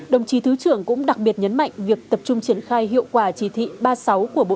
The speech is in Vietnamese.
đồng chí thứ trưởng cũng đặc biệt nhấn mạnh việc tập trung triển khai hiệu quả chỉ thị ba mươi sáu của bộ